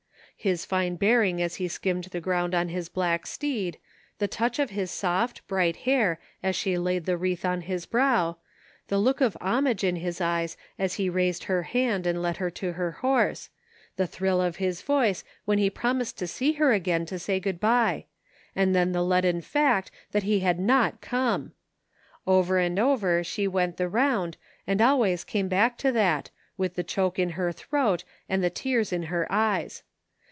His fine bearing as he skimmed the ground on his black steed, the touch of his soft, bright hair as she laid the wreath on his brow, the look of homage in his eyes as he raised her hand and led her to her horse, the thrill of his voice when he promised to see her again to say good bye; and then the leaden fact that he had not come ! Over and over she went the round and always came back to that, with the choke in her throat and 242 THE FINDmG OF JASPER HOLT the tears in her eyes.